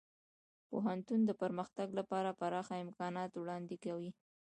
پوهنتون د پرمختګ لپاره پراخه امکانات وړاندې کوي.